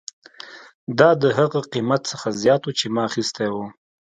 دا د هغه قیمت څخه زیات و چې ما اخیستی و